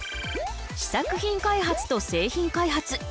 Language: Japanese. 試作品開発と製品開発。